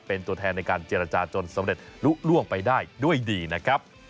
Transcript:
เป็นตัวแทนในการเจรจาจนสำเร็จลุล่วงไปได้ด้วยดีนะครับ